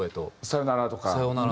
「さよなら」とか。